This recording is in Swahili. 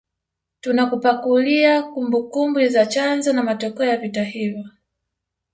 Tunakupakulia kumbukumbu za chanzo na matokeo ya vita hivyo